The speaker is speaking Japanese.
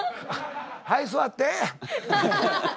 はい座って。